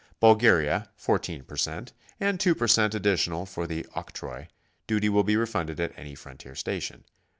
Bulgaria, 14 per cent, and 2 per cent additional for the octroi; duty will be refunded at any frontier station.